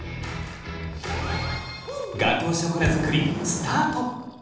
ガトーショコラ作りスタート！